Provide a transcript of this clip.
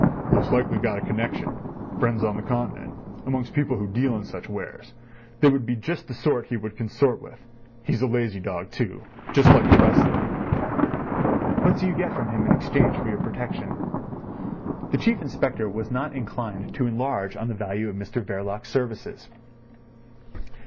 "Most likely got a connection—friends on the Continent—amongst people who deal in such wares. They would be just the sort he would consort with. He's a lazy dog, too—like the rest of them." "What do you get from him in exchange for your protection?" The Chief Inspector was not inclined to enlarge on the value of Mr Verloc's services.